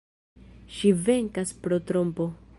Ŝi venkas pro trompo.